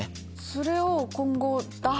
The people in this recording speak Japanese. それを今後。